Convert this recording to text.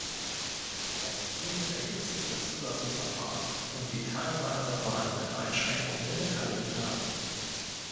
Aus ihnen ergibt sich das Zulassungsverfahren und die teilweise vorhandenen Einschränkungen der Beteiligung daran.